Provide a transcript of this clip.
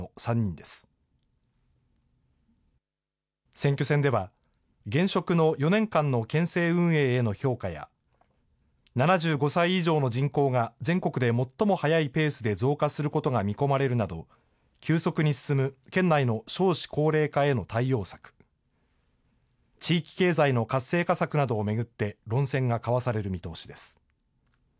選挙戦では、現職の４年間の県政運営への評価や、７５歳以上の人口が全国で最も速いペースで増加することが見込まれるなど、急速に進む県内の少子高齢化への対応策、地域経済の活性化策などを巡って、論戦が交わされる見通しです。